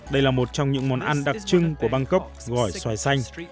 đây là một trong những món ăn đặc trưng của bangkok gỏi xoài xanh